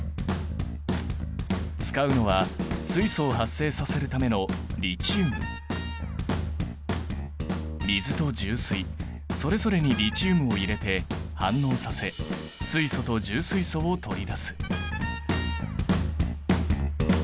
使うのは水素を発生させるための水と重水それぞれにリチウムを入れて反応させ水素と重水素を取り出す。